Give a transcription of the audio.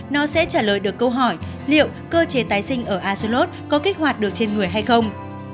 nó sẽ trả lời được câu hỏi liệu cơ chế tái sinh ở asilot có kích hoạt được trên người hay không